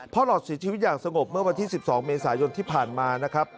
หลอดเสียชีวิตอย่างสงบเมื่อวันที่๑๒เมษายนที่ผ่านมานะครับ